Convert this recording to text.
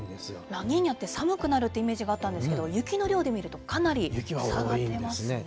ラニーニャって寒くなるっていうイメージがあったんですけど、雪の量で見るとかなり差がありますね。